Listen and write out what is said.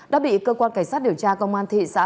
đã bị cơ quan cảnh sát điều tra công an thị xã